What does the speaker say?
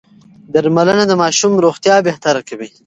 درملنه د ماشوم روغتيا بهتره کوي.